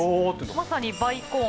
まさにバイコーン。